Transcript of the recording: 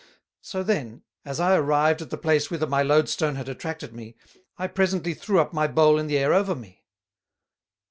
So then, as I arrived at the place whither my Load stone had attracted me, I presently threw up my Bowl in the Air over me."